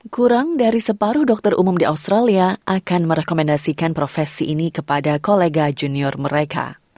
kurang dari separuh dokter umum di australia akan merekomendasikan profesi ini kepada kolega junior mereka